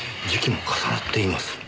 時期も重なっています。